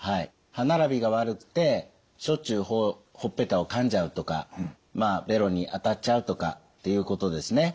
歯並びが悪くてしょっちゅうほっぺたをかんじゃうとかべろに当たっちゃうとかっていうことですね。